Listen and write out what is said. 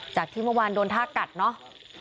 จากที่เมื่อวานโดนท่ากัดเนาะ